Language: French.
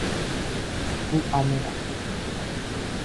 Ou un moulin.